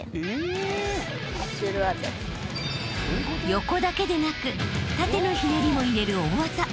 ［横だけでなく縦のひねりも入れる大技］